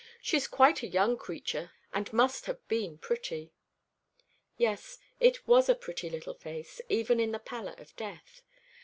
She is quite a young creature and must have been pretty." Yes, it was a pretty little face, even in the pallor of death.